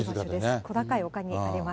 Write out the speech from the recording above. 小高い丘にあります。